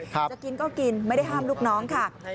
จะกินก็กินไม่ได้ห้ามลูกน้องค่ะ